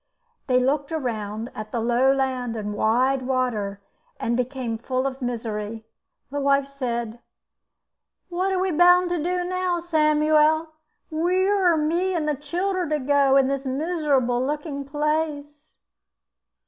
They looked around at the low land and wide water, and became full of misery. The wife said: "What are we boun' to do now, Samiul? Wheer are me and the childer to go in this miserable lookin' place?"